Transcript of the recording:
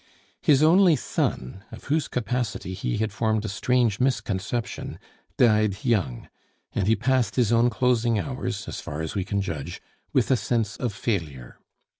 His only son, of whose capacity he had formed a strange misconception, died young, and he passed his own closing hours, as far as we can judge, with a sense of failure.